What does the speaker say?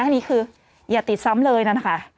อันนี้คืออย่าติดซ้ำเลยนั่นนะคะ